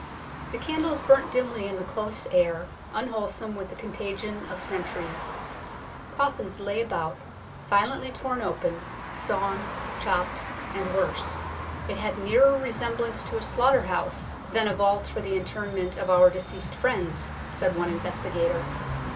The candles burnt dimly in the close air, unwholesome with the contagion of centuries. Coffins lay about, violently torn open, sawn, chopped and worse !" It had nearer resemblance to a slaughterhouse than a vault for the interment of our deceased friends," said one investigator.